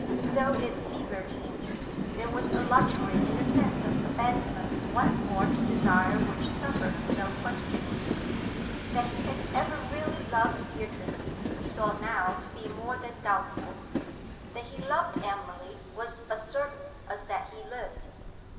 Though it fevered him, there was a luxury in the sense of abandonment once more to desire which suffered no questioning. That he had ever really loved Beatrice he saw now to be more than doubtful; that he loved Emily was as certain as that he lived.